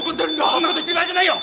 そんなこと言ってる場合じゃないよ！